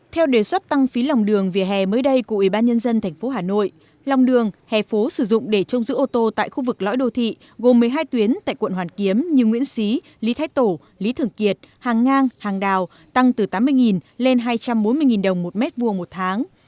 theo đề xuất tăng phí lòng đường vỉa hè mới đây của ủy ban nhân dân tp hà nội lòng đường hè phố sử dụng để trông giữ ô tô tại khu vực lõi đô thị gồm một mươi hai tuyến tại quận hoàn kiếm như nguyễn xí lý thái tổ lý thường kiệt hàng ngang hàng đào tăng từ tám mươi lên hai trăm bốn mươi đồng một mét vuông một tháng